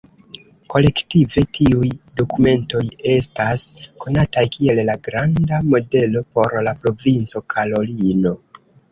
Kolektive, tiuj dokumentoj estas konataj kiel la Granda Modelo por la Provinco Karolino.